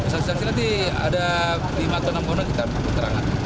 saksi saksi nanti ada lima atau enam pondok kita keterangan